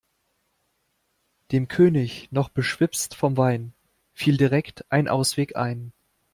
Dem König, noch beschwipst vom Wein, fiel direkt ein Ausweg ein.